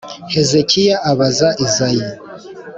. Hezekiya abaza Izayi